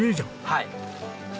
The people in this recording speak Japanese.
はい。